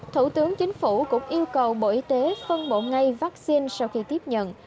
thủ tướng chính phủ cũng yêu cầu bộ y tế phân bộ ngay vaccine sau khi tiếp nhận